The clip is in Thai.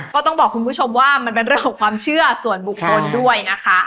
ก็ต้องบอกคุณผู้ชมว่ามันเป็นเรื่องของความเชื่อส่วนบุคคลด้วยนะคะ